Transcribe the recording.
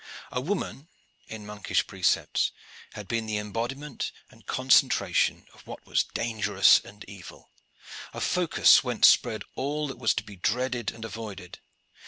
A woman, in monkish precepts, had been the embodiment and concentration of what was dangerous and evil a focus whence spread all that was to be dreaded and avoided.